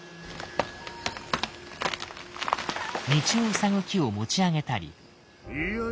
道を塞ぐ木を持ち上げたり。